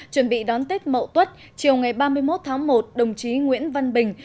chuẩn bị đón tết mậu tuất chiều ngày ba mươi một tháng một đồng chí nguyễn văn bình